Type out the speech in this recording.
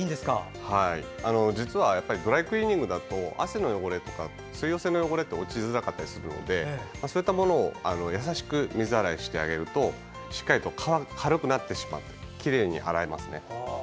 実はドライクリーニングだと汗の汚れとか水溶性の汚れは落ちづらかったりするのでそういったものをやさしく水洗いしてあげるとしっかりと軽くなってきれいに洗えます。